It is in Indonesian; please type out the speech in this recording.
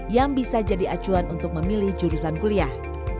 yang bisa jadi acuan untuk memilih jurusan kuliah